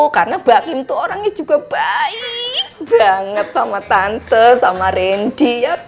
karena mbak kim tuh orangnya juga baik banget sama tante sama rendy ya kan